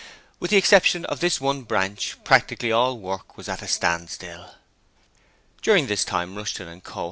With the exception of this one branch, practically all work was at a standstill. During this time Rushton & Co.